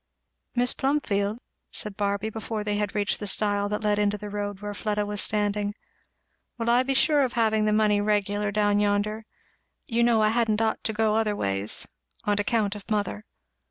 "Mis' Plumfield!" said Barby, before they had reached the stile that led into the road, where Fleda was standing, "Will I be sure of having the money regular down yonder? You know I hadn't ought to go otherways, on account of mother."